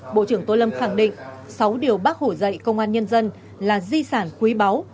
bộ trưởng tô lâm khẳng định sáu điều bác hổ dạy công an nhân dân là di sản quý báu